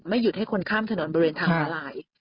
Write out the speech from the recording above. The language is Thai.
หยุดให้คนข้ามถนนบริเวณทางมาลาย